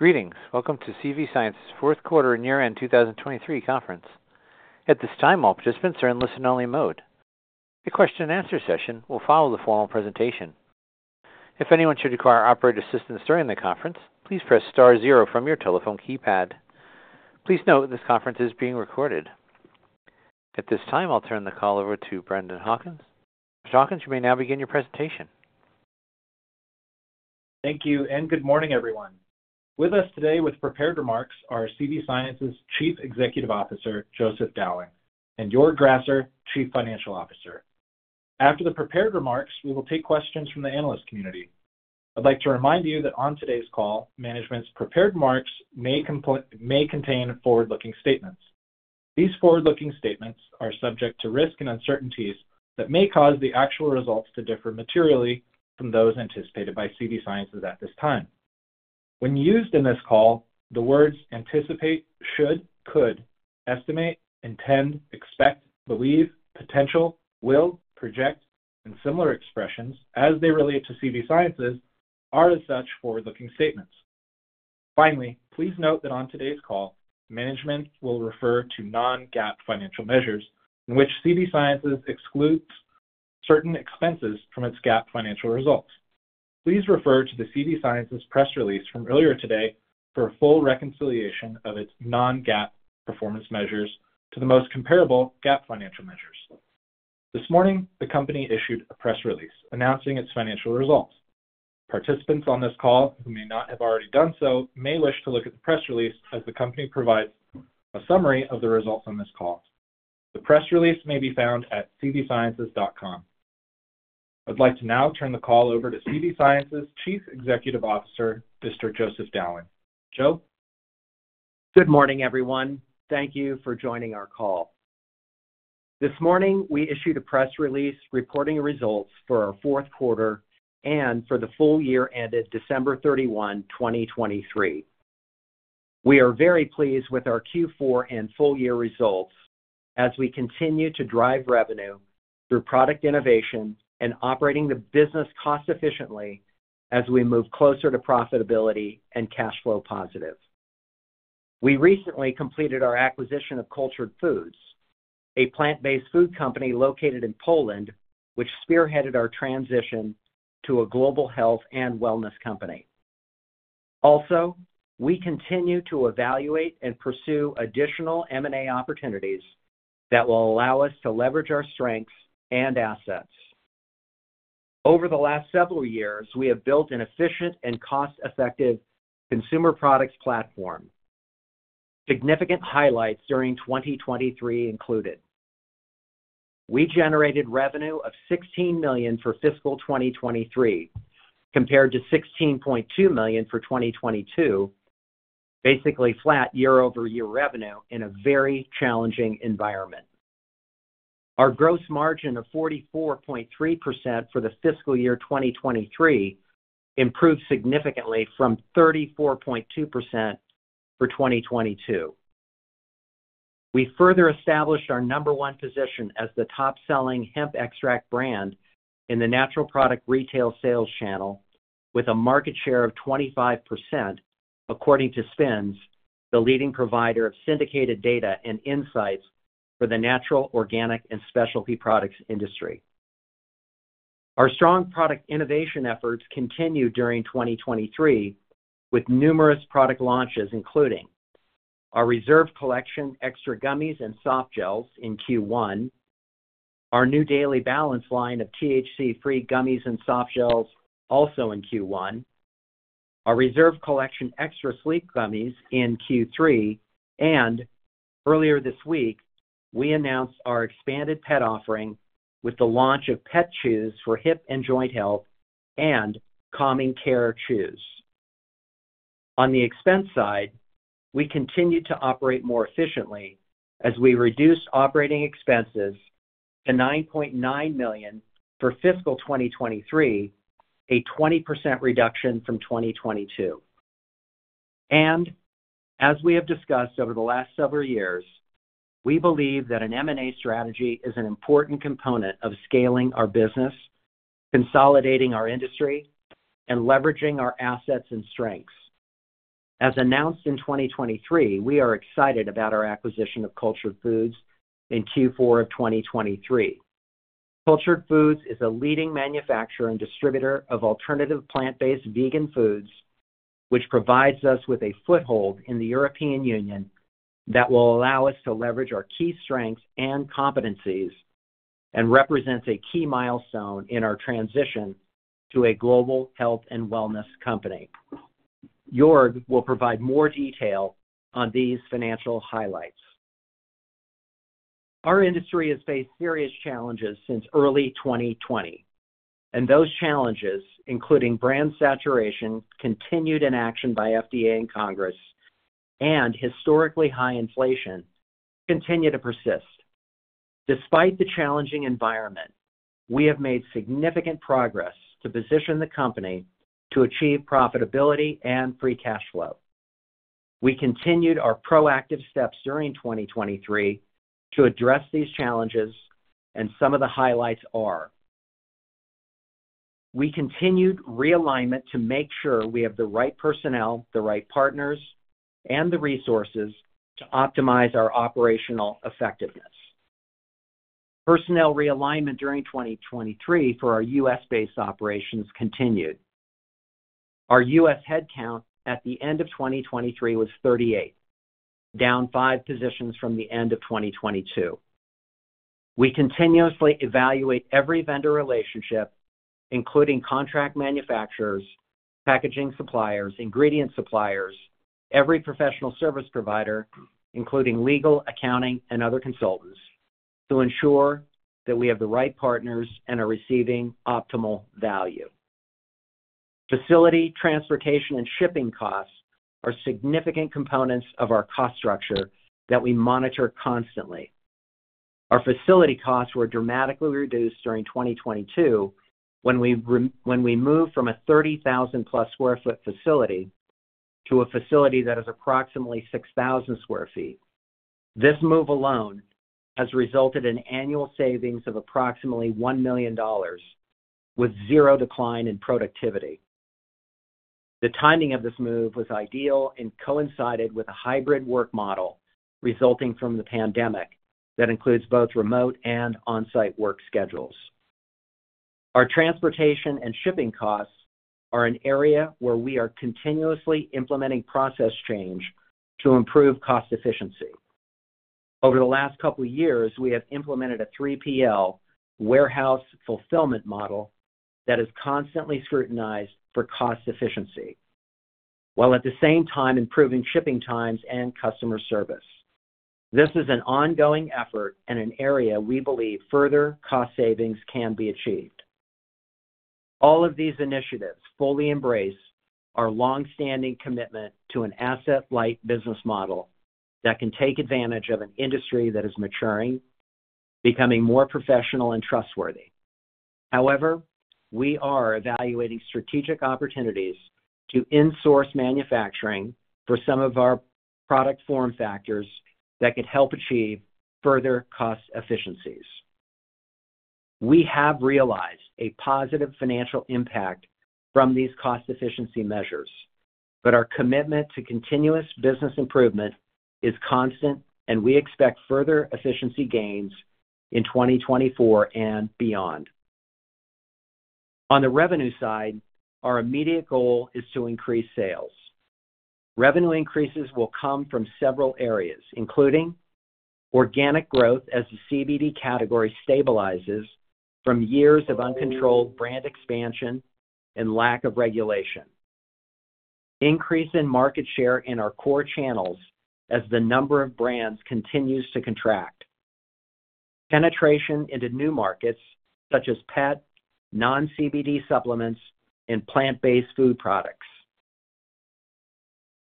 Greetings. Welcome to CV Sciences' fourth quarter and year-end 2023 conference. At this time, all participants are in listen-only mode. A question-and-answer session will follow the formal presentation. If anyone should require operator assistance during the conference, please press star zero from your telephone keypad. Please note this conference is being recorded. At this time, I'll turn the call over to Brendan Hawkins. Mr. Hawkins, you may now begin your presentation. Thank you, and good morning, everyone. With us today with prepared remarks are CV Sciences' Chief Executive Officer Joseph Dowling and Joerg Grasser, Chief Financial Officer. After the prepared remarks, we will take questions from the analyst community. I'd like to remind you that on today's call, management's prepared remarks may contain forward-looking statements. These forward-looking statements are subject to risk and uncertainties that may cause the actual results to differ materially from those anticipated by CV Sciences at this time. When used in this call, the words "anticipate," "should," "could," "estimate," "intend," "expect," "believe," "potential," "will," "project," and similar expressions as they relate to CV Sciences are as such forward-looking statements. Finally, please note that on today's call, management will refer to non-GAAP financial measures in which CV Sciences excludes certain expenses from its GAAP financial results. Please refer to the CV Sciences' press release from earlier today for a full reconciliation of its non-GAAP performance measures to the most comparable GAAP financial measures. This morning, the company issued a press release announcing its financial results. Participants on this call who may not have already done so may wish to look at the press release as the company provides a summary of the results on this call. The press release may be found at cvsciences.com. I'd like to now turn the call over to CV Sciences' Chief Executive Officer, Mr. Joseph Dowling. Joe? Good morning, everyone. Thank you for joining our call. This morning, we issued a press release reporting results for our fourth quarter and for the full-year ended December 31, 2023. We are very pleased with our Q4 and full-year results as we continue to drive revenue through product innovation and operating the business cost-efficiently as we move closer to profitability and cash flow positive. We recently completed our acquisition of Cultured Foods, a plant-based food company located in Poland which spearheaded our transition to a global health and wellness company. Also, we continue to evaluate and pursue additional M&A opportunities that will allow us to leverage our strengths and assets. Over the last several years, we have built an efficient and cost-effective consumer products platform. Significant highlights during 2023 included: we generated revenue of $16 million for fiscal 2023 compared to $16.2 million for 2022, basically flat year-over-year revenue in a very challenging environment. Our gross margin of 44.3% for the fiscal year 2023 improved significantly from 34.2% for 2022. We further established our number one position as the top-selling hemp extract brand in the natural product retail sales channel with a market share of 25% according to SPINS, the leading provider of syndicated data and insights for the natural, organic, and specialty products industry. Our strong product innovation efforts continue during 2023 with numerous product launches including our Reserve Collection Extra gummies and soft gels in Q1, our new Daily Balance line of THC-free gummies and soft gels also in Q1, our Reserve Collection Extra Sleep gummies in Q3, and earlier this week, we announced our expanded pet offering with the launch of pet chews for hip and joint health and calming care chews. On the expense side, we continue to operate more efficiently as we reduce operating expenses to $9.9 million for fiscal 2023, a 20% reduction from 2022. As we have discussed over the last several years, we believe that an M&A strategy is an important component of scaling our business, consolidating our industry, and leveraging our assets and strengths. As announced in 2023, we are excited about our acquisition of Cultured Foods in Q4 of 2023. Cultured Foods is a leading manufacturer and distributor of alternative plant-based vegan foods which provides us with a foothold in the European Union that will allow us to leverage our key strengths and competencies and represents a key milestone in our transition to a global health and wellness company. Joerg will provide more detail on these financial highlights. Our industry has faced serious challenges since early 2020, and those challenges, including brand saturation, continued inaction by FDA and Congress, and historically high inflation, continue to persist. Despite the challenging environment, we have made significant progress to position the company to achieve profitability and free cash flow. We continued our proactive steps during 2023 to address these challenges, and some of the highlights are: we continued realignment to make sure we have the right personnel, the right partners, and the resources to optimize our operational effectiveness. Personnel realignment during 2023 for our U.S.-based operations continued. Our U.S. headcount at the end of 2023 was 38, down five positions from the end of 2022. We continuously evaluate every vendor relationship, including contract manufacturers, packaging suppliers, ingredient suppliers, every professional service provider, including legal, accounting, and other consultants, to ensure that we have the right partners and are receiving optimal value. Facility, transportation, and shipping costs are significant components of our cost structure that we monitor constantly. Our facility costs were dramatically reduced during 2022 when we moved from a 30,000+ sq ft facility to a facility that is approximately 6,000 sq ft. This move alone has resulted in annual savings of approximately $1 million with zero decline in productivity. The timing of this move was ideal and coincided with a hybrid work model resulting from the pandemic that includes both remote and on-site work schedules. Our transportation and shipping costs are an area where we are continuously implementing process change to improve cost efficiency. Over the last couple of years, we have implemented a 3PL warehouse fulfillment model that is constantly scrutinized for cost efficiency while at the same time improving shipping times and customer service. This is an ongoing effort and an area we believe further cost savings can be achieved. All of these initiatives fully embrace our longstanding commitment to an asset-light business model that can take advantage of an industry that is maturing, becoming more professional and trustworthy. However, we are evaluating strategic opportunities to insource manufacturing for some of our product form factors that could help achieve further cost efficiencies. We have realized a positive financial impact from these cost efficiency measures, but our commitment to continuous business improvement is constant, and we expect further efficiency gains in 2024 and beyond. On the revenue side, our immediate goal is to increase sales. Revenue increases will come from several areas, including: organic growth as the CBD category stabilizes from years of uncontrolled brand expansion and lack of regulation. Increase in market share in our core channels as the number of brands continues to contract. Penetration into new markets such as pet, non-CBD supplements, and plant-based food products.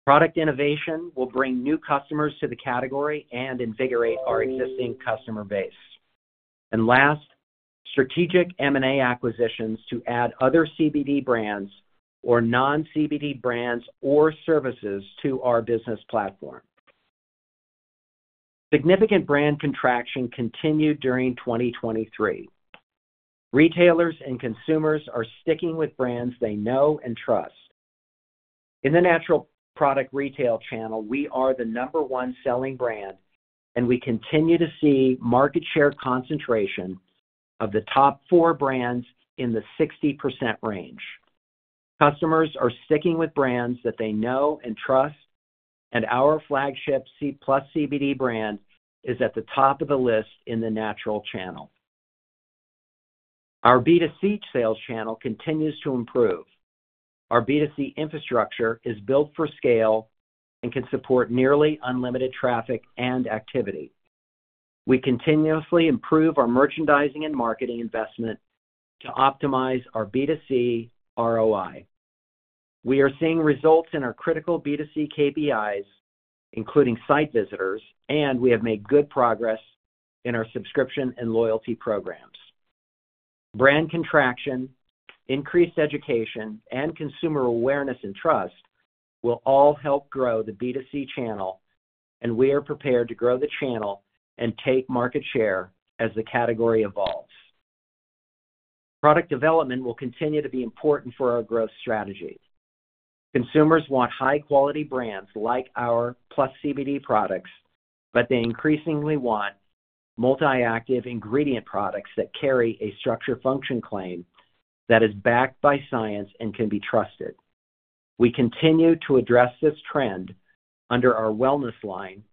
Product innovation will bring new customers to the category and invigorate our existing customer base. Last, strategic M&A acquisitions to add other CBD brands or non-CBD brands or services to our business platform. Significant brand contraction continued during 2023. Retailers and consumers are sticking with brands they know and trust. In the natural product retail channel, we are the number one selling brand, and we continue to see market share concentration of the top four brands in the 60% range. Customers are sticking with brands that they know and trust, and our flagship PlusCBD brand is at the top of the list in the natural channel. Our B2C sales channel continues to improve. Our B2C infrastructure is built for scale and can support nearly unlimited traffic and activity. We continuously improve our merchandising and marketing investment to optimize our B2C ROI. We are seeing results in our critical B2C KPIs, including site visitors, and we have made good progress in our subscription and loyalty programs. Brand contraction, increased education, and consumer awareness and trust will all help grow the B2C channel, and we are prepared to grow the channel and take market share as the category evolves. Product development will continue to be important for our growth strategy. Consumers want high-quality brands like our PlusCBD products, but they increasingly want multi-active ingredient products that carry a structure/function claim that is backed by science and can be trusted. We continue to address this trend under our wellness line,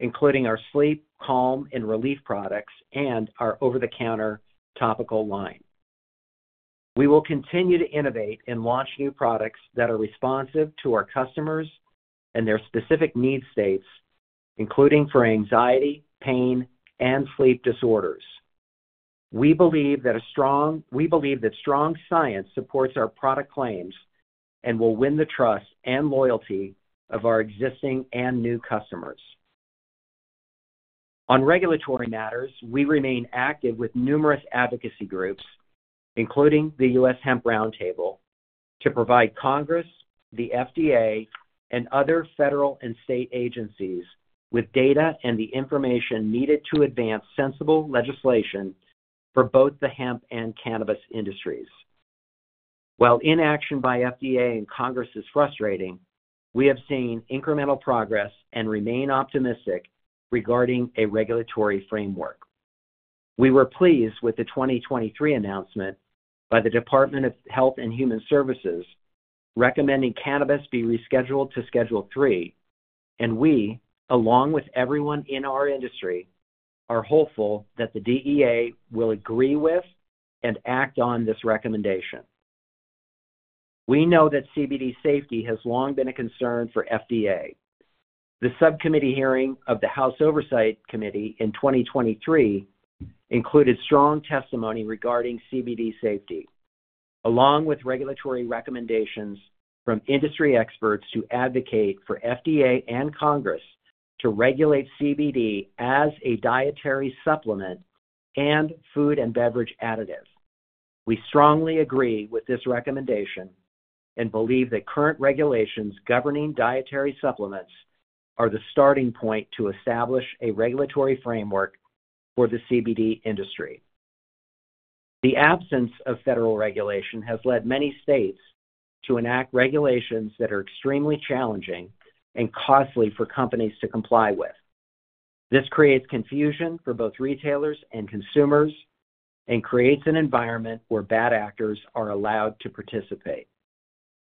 including our sleep, calm, and relief products, and our over-the-counter topical line. We will continue to innovate and launch new products that are responsive to our customers and their specific need states, including for anxiety, pain, and sleep disorders. We believe that strong science supports our product claims and will win the trust and loyalty of our existing and new customers. On regulatory matters, we remain active with numerous advocacy groups, including the U.S. Hemp Roundtable, to provide Congress, the FDA, and other federal and state agencies with data and the information needed to advance sensible legislation for both the hemp and cannabis industries. While inaction by FDA and Congress is frustrating, we have seen incremental progress and remain optimistic regarding a regulatory framework. We were pleased with the 2023 announcement by the Department of Health and Human Services recommending cannabis be rescheduled to Schedule III, and we, along with everyone in our industry, are hopeful that the DEA will agree with and act on this recommendation. We know that CBD safety has long been a concern for FDA. The subcommittee hearing of the House Oversight Committee in 2023 included strong testimony regarding CBD safety, along with regulatory recommendations from industry experts to advocate for FDA and Congress to regulate CBD as a dietary supplement and food and beverage additive. We strongly agree with this recommendation and believe that current regulations governing dietary supplements are the starting point to establish a regulatory framework for the CBD industry. The absence of federal regulation has led many states to enact regulations that are extremely challenging and costly for companies to comply with. This creates confusion for both retailers and consumers and creates an environment where bad actors are allowed to participate.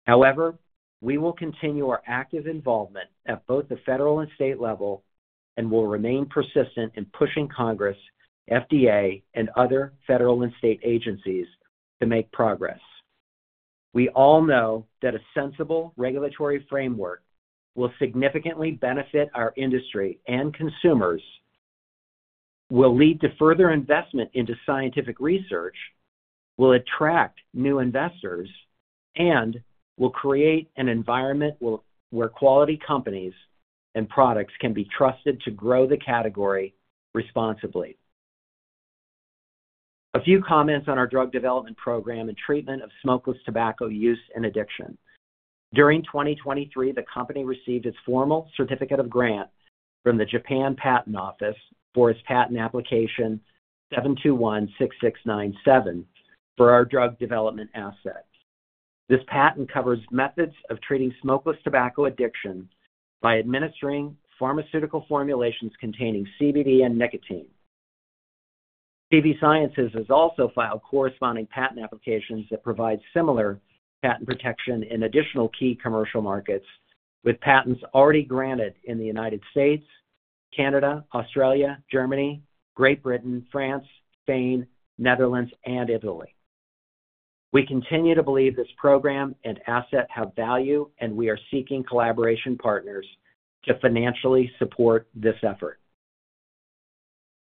However, we will continue our active involvement at both the federal and state level and will remain persistent in pushing Congress, FDA, and other federal and state agencies to make progress. We all know that a sensible regulatory framework will significantly benefit our industry and consumers, will lead to further investment into scientific research, will attract new investors, and will create an environment where quality companies and products can be trusted to grow the category responsibly. A few comments on our drug development program and treatment of smokeless tobacco use and addiction. During 2023, the company received its formal certificate of grant from the Japan Patent Office for its patent application 7216697 for our drug development asset. This patent covers methods of treating smokeless tobacco addiction by administering pharmaceutical formulations containing CBD and nicotine. CV Sciences has also filed corresponding patent applications that provide similar patent protection in additional key commercial markets with patents already granted in the United States, Canada, Australia, Germany, Great Britain, France, Spain, Netherlands, and Italy. We continue to believe this program and asset have value, and we are seeking collaboration partners to financially support this effort.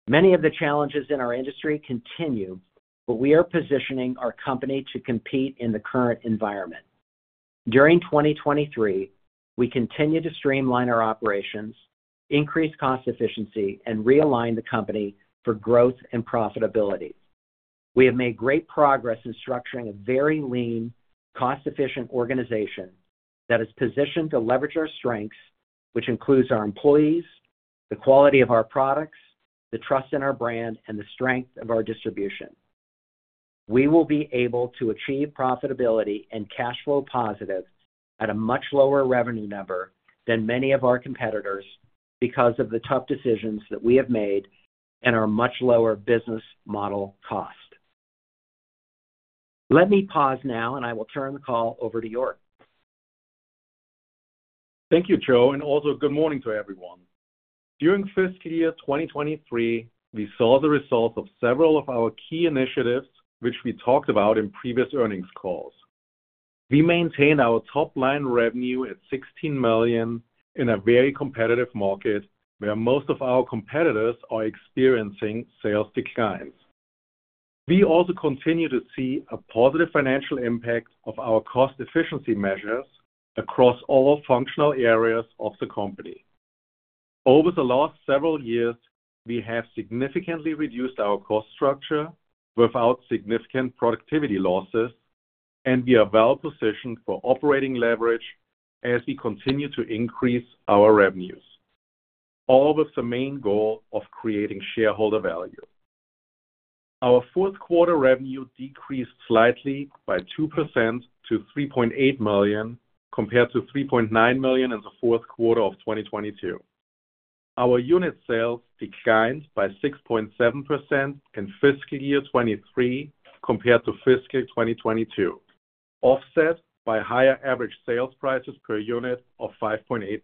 Many of the challenges in our industry continue, but we are positioning our company to compete in the current environment. During 2023, we continue to streamline our operations, increase cost efficiency, and realign the company for growth and profitability. We have made great progress in structuring a very lean, cost-efficient organization that is positioned to leverage our strengths, which includes our employees, the quality of our products, the trust in our brand, and the strength of our distribution. We will be able to achieve profitability and cash flow positive at a much lower revenue number than many of our competitors because of the tough decisions that we have made and our much lower business model cost. Let me pause now, and I will turn the call over to Joerg. Thank you, Joerg, and also good morning to everyone. During fiscal year 2023, we saw the results of several of our key initiatives, which we talked about in previous earnings calls. We maintained our top-line revenue at $16 million in a very competitive market where most of our competitors are experiencing sales declines. We also continue to see a positive financial impact of our cost efficiency measures across all functional areas of the company. Over the last several years, we have significantly reduced our cost structure without significant productivity losses, and we are well positioned for operating leverage as we continue to increase our revenues, all with the main goal of creating shareholder value. Our fourth quarter revenue decreased slightly by 2% to $3.8 million compared to $3.9 million in the fourth quarter of 2022. Our unit sales declined by 6.7% in fiscal year 2023 compared to fiscal 2022, offset by higher average sales prices per unit of 5.8%.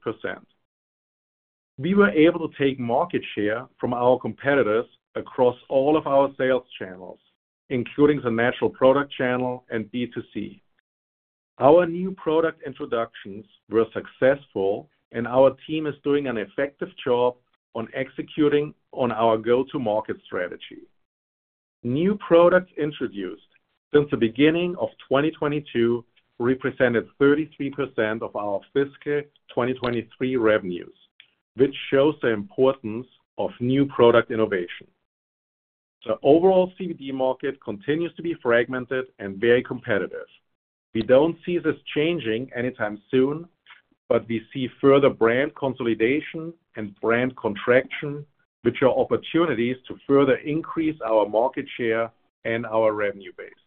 We were able to take market share from our competitors across all of our sales channels, including the natural product channel and B2C. Our new product introductions were successful, and our team is doing an effective job on executing on our go-to-market strategy. New products introduced since the beginning of 2022 represented 33% of our fiscal 2023 revenues, which shows the importance of new product innovation. The overall CBD market continues to be fragmented and very competitive. We don't see this changing anytime soon, but we see further brand consolidation and brand contraction, which are opportunities to further increase our market share and our revenue base.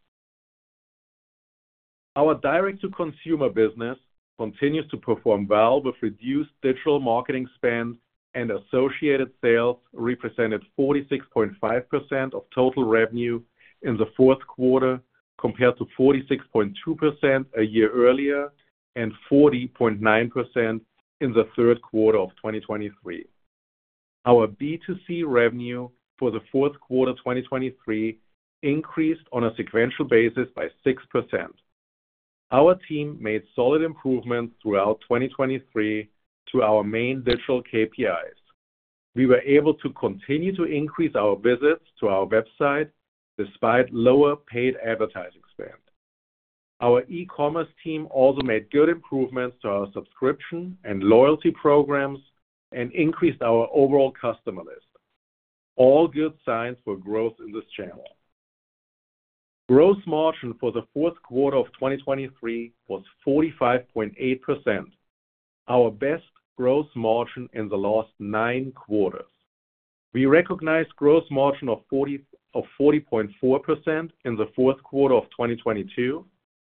Our direct-to-consumer business continues to perform well with reduced digital marketing spend, and associated sales represented 46.5% of total revenue in the fourth quarter compared to 46.2% a year earlier and 40.9% in the third quarter of 2023. Our B2C revenue for the fourth quarter 2023 increased on a sequential basis by 6%. Our team made solid improvements throughout 2023 to our main digital KPIs. We were able to continue to increase our visits to our website despite lower paid advertising spend. Our e-commerce team also made good improvements to our subscription and loyalty programs and increased our overall customer list, all good signs for growth in this channel. Gross margin for the fourth quarter of 2023 was 45.8%, our best gross margin in the last nine quarters. We recognized gross margin of 40.4% in the fourth quarter of 2022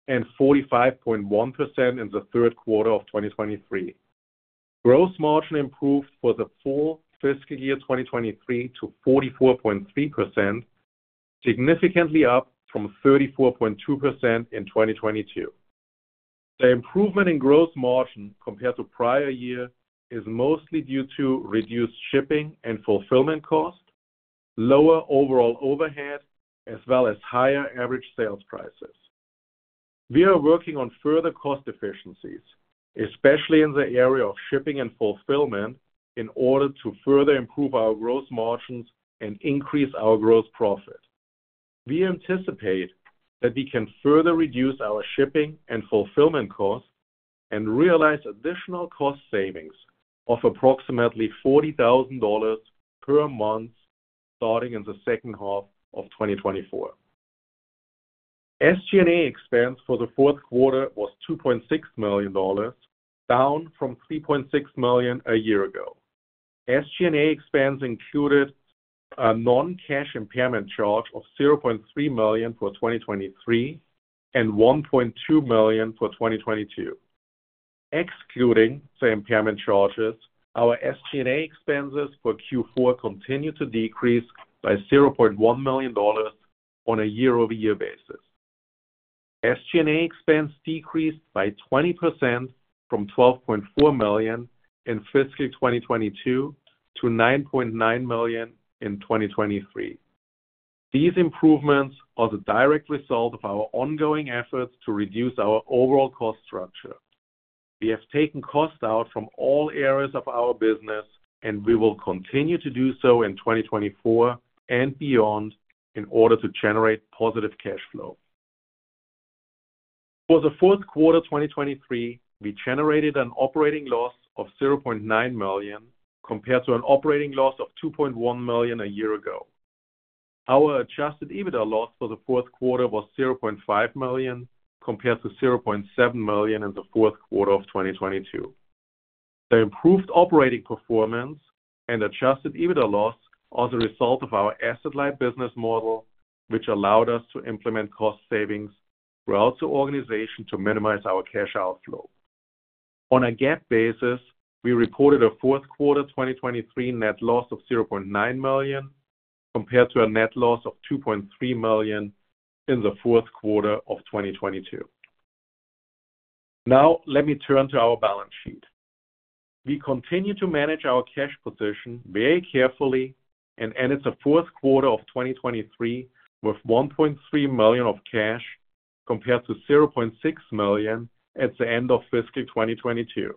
and 45.1% in the third quarter of 2023. Gross margin improved for the full fiscal year 2023 to 44.3%, significantly up from 34.2% in 2022. The improvement in gross margin compared to prior years is mostly due to reduced shipping and fulfillment cost, lower overall overhead, as well as higher average sales prices. We are working on further cost efficiencies, especially in the area of shipping and fulfillment, in order to further improve our gross margins and increase our gross profit. We anticipate that we can further reduce our shipping and fulfillment costs and realize additional cost savings of approximately $40,000 per month starting in the second half of 2024. SG&A expense for the fourth quarter was $2.6 million, down from $3.6 million a year ago. SG&A expense included a non-cash impairment charge of $0.3 million for 2023 and $1.2 million for 2022. Excluding the impairment charges, our SG&A expenses for Q4 continue to decrease by $0.1 million on a year-over-year basis. SG&A expense decreased by 20% from $12.4 million in fiscal 2022 to $9.9 million in 2023. These improvements are the direct result of our ongoing efforts to reduce our overall cost structure. We have taken cost out from all areas of our business, and we will continue to do so in 2024 and beyond in order to generate positive cash flow. For the fourth quarter 2023, we generated an operating loss of $0.9 million compared to an operating loss of $2.1 million a year ago. Our adjusted EBITDA loss for the fourth quarter was $0.5 million compared to $0.7 million in the fourth quarter of 2022. The improved operating performance and Adjusted EBITDA loss are the result of our asset-light business model, which allowed us to implement cost savings throughout the organization to minimize our cash outflow. On a GAAP basis, we reported a fourth quarter 2023 net loss of $0.9 million compared to a net loss of $2.3 million in the fourth quarter of 2022. Now, let me turn to our balance sheet. We continue to manage our cash position very carefully, and ended the fourth quarter of 2023 with $1.3 million of cash compared to $0.6 million at the end of fiscal 2022.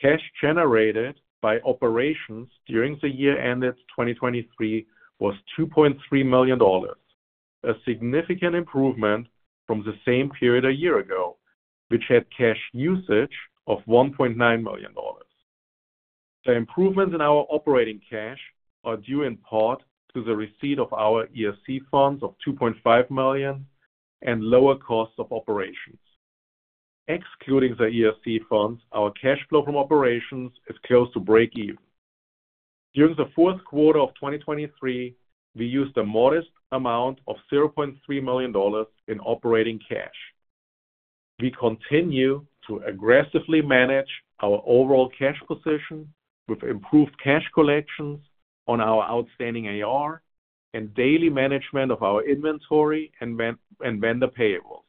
Cash generated by operations during the year ended 2023 was $2.3 million, a significant improvement from the same period a year ago, which had cash usage of $1.9 million. The improvements in our operating cash are due in part to the receipt of our ERC funds of $2.5 million and lower costs of operations. Excluding the ERC funds, our cash flow from operations is close to break-even. During the fourth quarter of 2023, we used a modest amount of $0.3 million in operating cash. We continue to aggressively manage our overall cash position with improved cash collections on our outstanding AR and daily management of our inventory and vendor payables.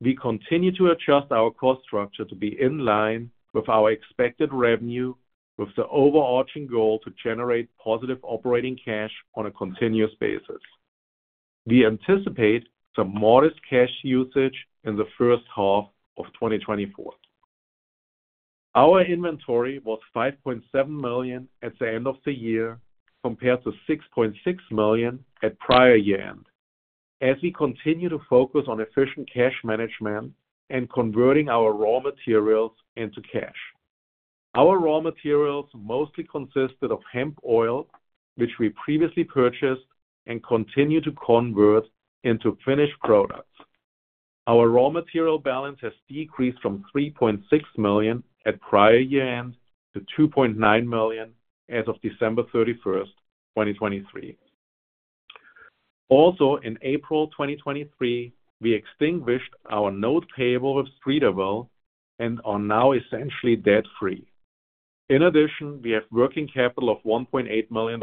We continue to adjust our cost structure to be in line with our expected revenue, with the overarching goal to generate positive operating cash on a continuous basis. We anticipate some modest cash usage in the first half of 2024. Our inventory was $5.7 million at the end of the year compared to $6.6 million at prior year-end, as we continue to focus on efficient cash management and converting our raw materials into cash. Our raw materials mostly consisted of hemp oil, which we previously purchased and continue to convert into finished products. Our raw material balance has decreased from $3.6 million at prior year-end to $2.9 million as of December 31st, 2023. Also, in April 2023, we extinguished our note payable with Streeterville Capital and are now essentially debt-free. In addition, we have working capital of $1.8 million.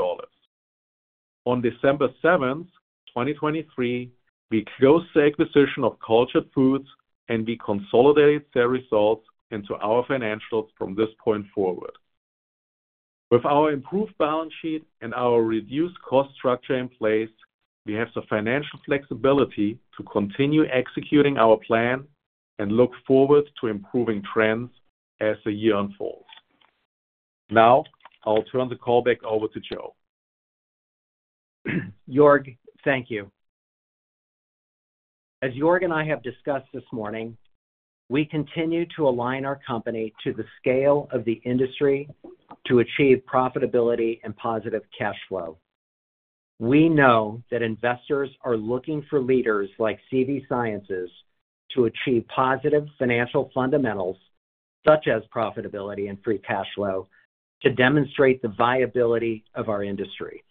On December 7th, 2023, we closed the acquisition of Cultured Foods, and we consolidated the results into our financials from this point forward. With our improved balance sheet and our reduced cost structure in place, we have the financial flexibility to continue executing our plan and look forward to improving trends as the year unfolds. Now, I'll turn the call back over to Joe. Joerg, thank you. As Joerg and I have discussed this morning, we continue to align our company to the scale of the industry to achieve profitability and positive cash flow. We know that investors are looking for leaders like CV Sciences to achieve positive financial fundamentals, such as profitability and free cash flow, to demonstrate the viability of our industry.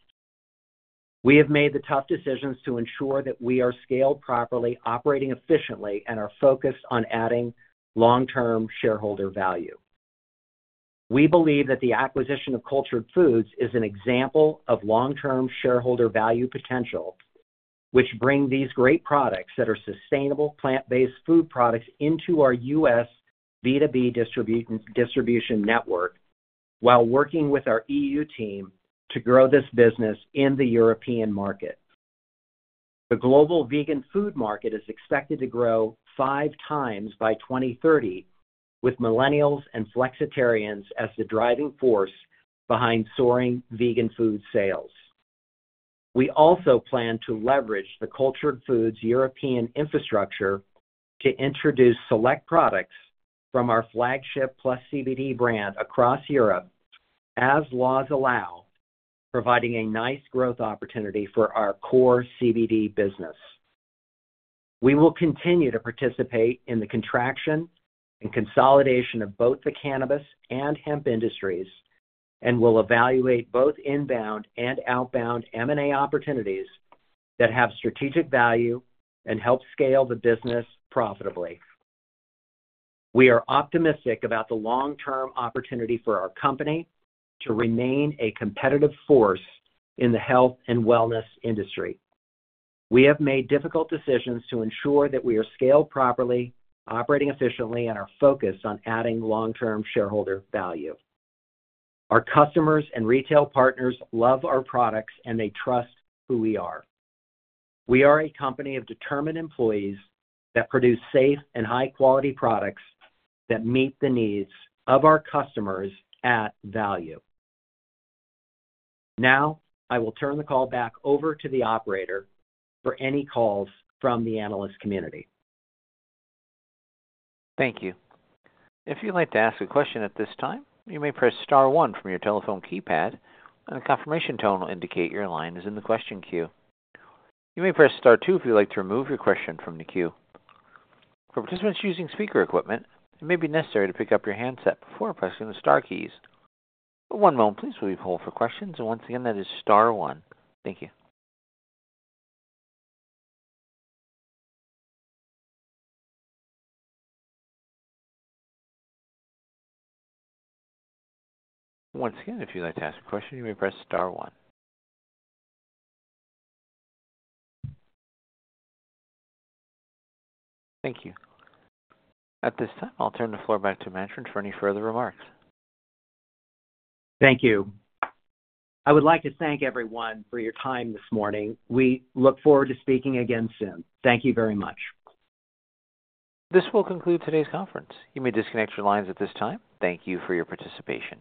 We have made the tough decisions to ensure that we are scaled properly, operating efficiently, and are focused on adding long-term shareholder value. We believe that the acquisition of Cultured Foods is an example of long-term shareholder value potential, which brings these great products that are sustainable plant-based food products into our U.S. B2B distribution network while working with our EU team to grow this business in the European market. The global vegan food market is expected to grow five times by 2030, with millennials and flexitarians as the driving force behind soaring vegan food sales. We also plan to leverage the Cultured Foods European infrastructure to introduce select products from our flagship PlusCBD brand across Europe, as laws allow, providing a nice growth opportunity for our core CBD business. We will continue to participate in the contraction and consolidation of both the cannabis and hemp industries and will evaluate both inbound and outbound M&A opportunities that have strategic value and help scale the business profitably. We are optimistic about the long-term opportunity for our company to remain a competitive force in the health and wellness industry. We have made difficult decisions to ensure that we are scaled properly, operating efficiently, and are focused on adding long-term shareholder value. Our customers and retail partners love our products, and they trust who we are. We are a company of determined employees that produce safe and high-quality products that meet the needs of our customers at value. Now, I will turn the call back over to the operator for any calls from the analyst community. Thank you. If you'd like to ask a question at this time, you may press star 1 from your telephone keypad, and the confirmation tone will indicate your line is in the question queue. You may press star two if you'd like to remove your question from the queue. For participants using speaker equipment, it may be necessary to pick up your handset before pressing the star keys. One moment, please, while we hold for questions. And once again, that is star one. Thank you. Once again, if you'd like to ask a question, you may press star one. Thank you. At this time, I'll turn the floor back to management for any further remarks. Thank you. I would like to thank everyone for your time this morning. We look forward to speaking again soon. Thank you very much. This will conclude today's conference. You may disconnect your lines at this time. Thank you for your participation.